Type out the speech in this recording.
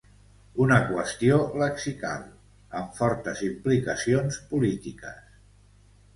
Una qüestió lexical, amb fortes implicacions polítiques.